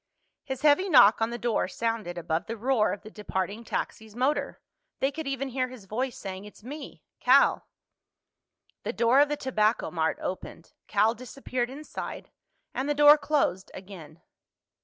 His heavy knock on the door sounded above the roar of the departing taxi's motor. They could even hear his voice saying, "It's me—Cal." The door of the Tobacco Mart opened, Cal disappeared inside, and the door closed again.